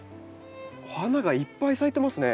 お花がいっぱい咲いてますね。